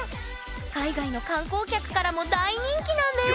海外の観光客からも大人気なんです